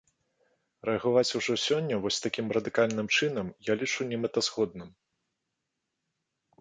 Рэагаваць ужо сёння вось такім радыкальным чынам я лічу немэтазгодным.